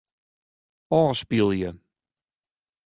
Ofspylje.